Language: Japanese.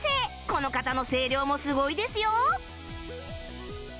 この方の声量もすごいですよ